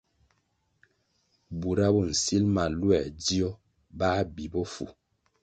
Bura bo sil ma luē dzio, bā bi bofu.